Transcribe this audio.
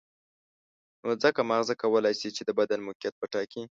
نو ځکه ماغزه کولای شي چې د بدن موقعیت وټاکي.